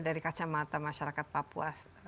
dari kacamata masyarakat papua